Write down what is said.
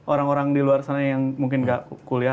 orang orang di luar sana yang mungkin gak kuliah